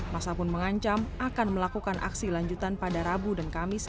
masa pun mengancam akan melakukan aksi lanjutan pada rabu dan kamis